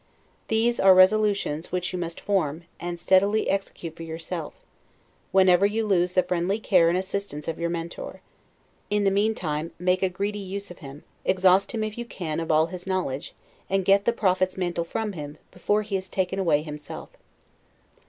These are resolutions which you must form, and steadily execute for yourself, whenever you lose the friendly care and assistance of your Mentor. In the meantime, make a greedy use of him; exhaust him, if you can, of all his knowledge; and get the prophet's mantle from him, before he is taken away himself.